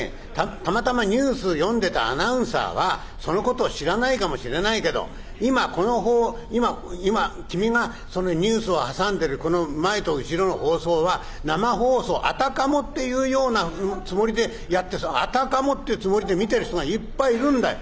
たまたまニュース読んでたアナウンサーはそのことを知らないかもしれないけど今君がニュースを挟んでるこの前と後ろの放送は生放送あたかもっていうようなつもりでやってあたかもってつもりで見てる人がいっぱいいるんだよ。